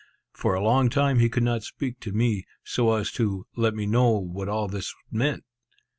For a long time he could not speak to me, so as to, let me know what all this meant.